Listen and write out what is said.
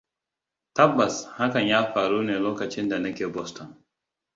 Tabbas hakan ya faru ne lokacin da nake Boston.